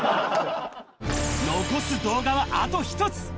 残す動画はあと１つ。